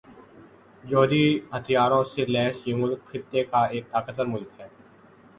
جوہری ہتھیاروں سے لیس یہ ملک خطے کا ایک طاقتور ملک ہے